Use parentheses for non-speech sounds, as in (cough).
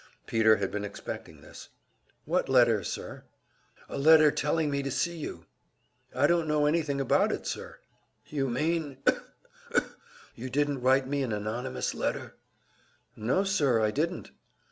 Peter had been expecting this. "What letter, sir?" "A letter telling me to see you." "I don't know anything about it, sir." "You mean (coughs) you didn't write me an anonynious letter?" "No, sir, I didn't."